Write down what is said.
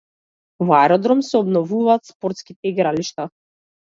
Во Аеродром се обновуваат спортските игралишта